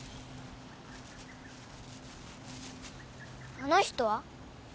あの人は？